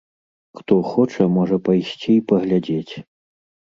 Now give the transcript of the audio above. Хто хоча, можа пайсці і паглядзець.